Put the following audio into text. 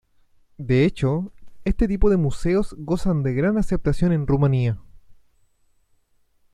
De hecho, este tipo de museos gozan de gran aceptación en Rumanía.